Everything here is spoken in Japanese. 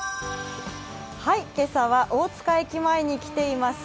今朝は大塚駅前に来ています。